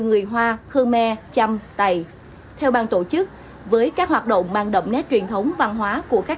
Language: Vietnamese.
người hoa khmer chăm tày theo ban tổ chức với các hoạt động mang đậm nét truyền thống văn hóa của